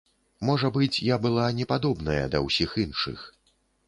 Можа быць, я была непадобная да ўсіх іншых.